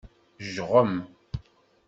Jɣem.